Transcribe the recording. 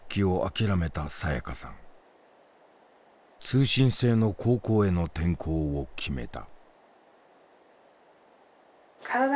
通信制の高校への転校を決めた。